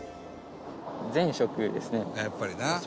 「やっぱりな。